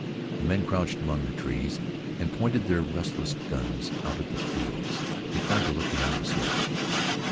The men crouched among the trees and pointed their restless guns out at the fields. They tried to look beyond the smoke.